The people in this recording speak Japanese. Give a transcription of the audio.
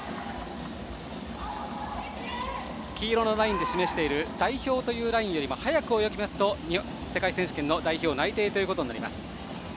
黄色のラインで示している代表というラインより速く泳ぎますと世界選手権代表内定となります。